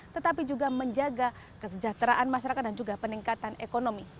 tetapi juga menjaga kesejahteraan masyarakat dan juga peningkatan ekonomi